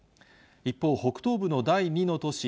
一方、北東部の第２の都市